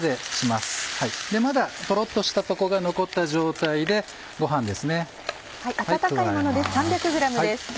まだトロっとしたとこが残った状態でご飯ですね加えます。